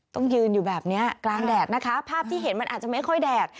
ต้องยืนอยู่แบบนี้กลางแดดนะคะภาพที่เห็นมันอาจจะไม่ค่อยแดด